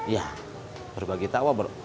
ya berbagi tawa